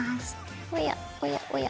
おやおやおや。